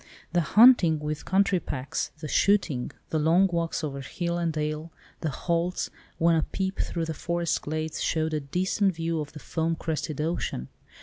The hunting with country packs, the shooting, the long walks over hill and dale—the halts, when a peep through the forest glades showed a distant view of the foam crested ocean!